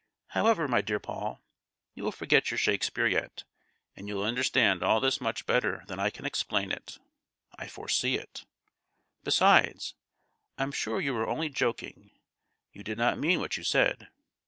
However, my dear Paul, you'll forget your Shakespeare yet, and you'll understand all this much better than I can explain it. I foresee it! Besides, I'm sure you are only joking; you did not mean what you said.